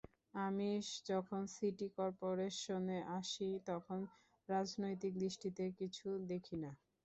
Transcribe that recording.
আমি যখন সিটি করপোরেশনে আসি, তখন রাজনৈতিক দৃষ্টিতে কিছু দেখি না।